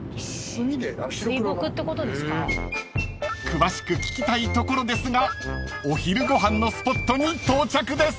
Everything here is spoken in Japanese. ［詳しく聞きたいところですがお昼ご飯のスポットに到着です］